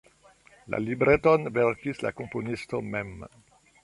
La libreton verkis la komponisto mem.